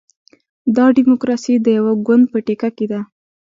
دا ډیموکراسي د یوه ګوند په ټیکه کې ده.